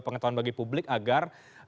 pengetahuan bagi publik agar